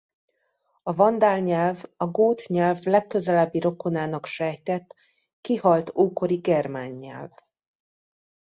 A vandál nyelv a gót nyelv legközelebbi rokonának sejtett kihalt ókori germán nyelv.